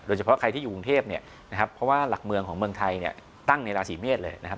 เฉพาะใครที่อยู่กรุงเทพเนี่ยนะครับเพราะว่าหลักเมืองของเมืองไทยเนี่ยตั้งในราศีเมษเลยนะครับ